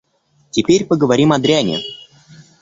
Теперь поговорим о дряни.